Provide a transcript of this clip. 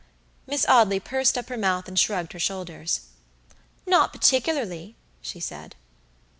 Miss Audley pursed up her mouth and shrugged her shoulders. "Not particularly," she said.